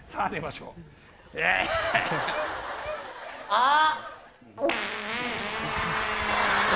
あっ。